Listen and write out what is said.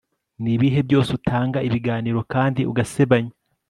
Nibihe byose utanga ibiganiro kandi ugasebanya